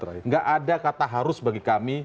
tidak ada kata harus bagi kami